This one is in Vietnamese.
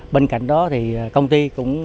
bên cạnh đó thì công ty